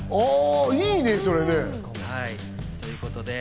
いいね、それね。